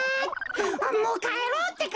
あっもうかえろうってか！